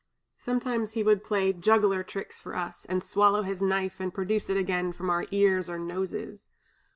"Sometimes he would play juggler tricks for us, and swallow his knife and produce it again from our ears or noses.